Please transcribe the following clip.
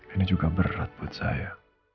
ini juga berat buat saya